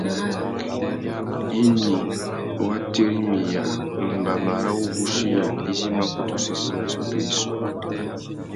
Indi wa tirimiya mbama râ wuguchiya izí i mà kutu sésséya assôtô yissú.